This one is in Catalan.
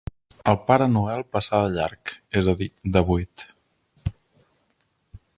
El Pare Noel passà de llarg, és a dir, de buit.